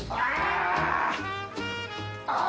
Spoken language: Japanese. ああ！